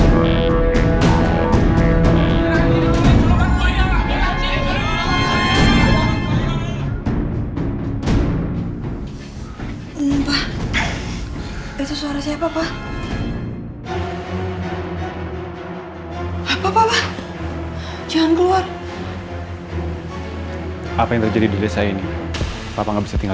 sampai jumpa di video selanjutnya